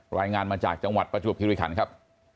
รายงานมาจากจังหวัดประจวบคิริขันครับ